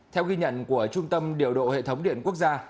theo ghi nhận của trung tâm điều độ hệ thống điện quốc gia